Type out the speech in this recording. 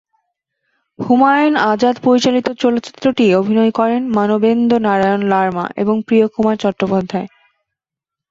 হুমায়ুন আজাদ পরিচালিত চলচ্চিত্রটিতে অভিনয় করেন মানবেন্দ্র নারায়ণ লারমা এবং প্রিয়কুমার চট্টোপাধ্যায়।